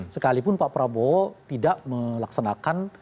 sekalipun pak prabowo tidak melaksanakan